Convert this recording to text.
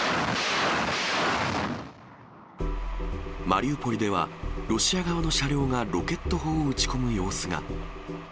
マリウポリでは、ロシア側の車両がロケット砲を撃ち込む様子が。